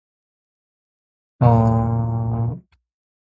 駅に行くには、まっすぐ進めばいいでしょうか。